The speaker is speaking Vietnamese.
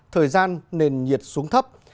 thời gian nền nhiệt xuống thấp